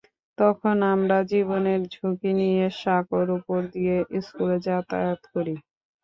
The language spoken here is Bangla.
তখন আমরা জীবনের ঝুঁকি নিয়ে সাঁকোর ওপর দিয়ে স্কুলে যাতায়াত করি।